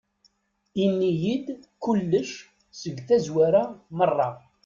Ini-yi-d kullec seg tazwara meṛṛa.